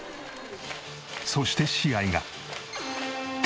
そして試合が。